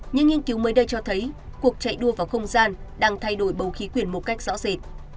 những nghiên cứu mới đây cho thấy cuộc chạy đua vào không gian đang thay đổi bầu khí quyển một cách rõ rệt